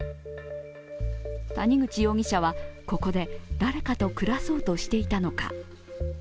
谷口容疑者は、ここで誰かと暮らそうとしていたのか。